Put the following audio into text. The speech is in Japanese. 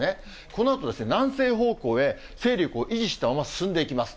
このあと、南西方向へ勢力を維持したまま進んでいきます。